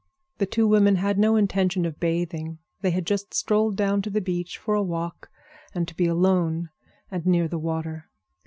The two women had no intention of bathing; they had just strolled down to the beach for a walk and to be alone and near the water.